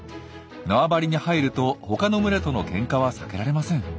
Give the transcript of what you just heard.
縄張りに入ると他の群れとのケンカは避けられません。